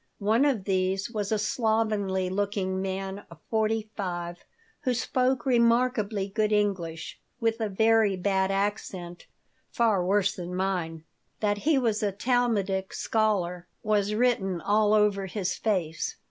One of these was a slovenly looking man of forty five who spoke remarkably good English with a very bad accent (far worse than mine). That he was a Talmudic scholar was written all over his face.